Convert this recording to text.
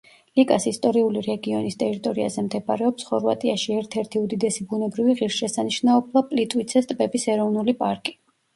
ლიკას ისტორიული რეგიონის ტერიტორიაზე მდებარეობს ხორვატიაში ერთ-ერთი უდიდესი ბუნებრივი ღირსშესანიშნაობა პლიტვიცეს ტბების ეროვნული პარკი.